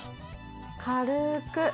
軽く。